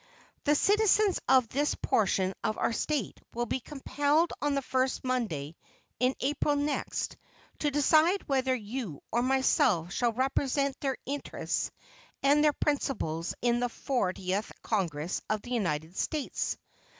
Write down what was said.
The citizens of this portion of our State will be compelled on the first Monday in April next, to decide whether you or myself shall represent their interests and their principles in the Fortieth Congress of the United States.